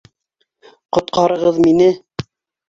Ҡотҡарығыҙ мине!